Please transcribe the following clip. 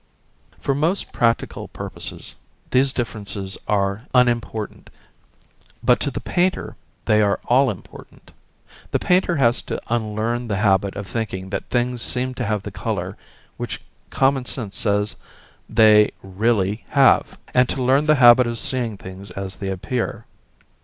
For most practical purposes these differences are unimportant, but to the painter they are all important: the painter has to unlearn the habit of thinking that things seem to have the colour which common sense says they 'really' have, and to learn the habit of seeing things as they appear.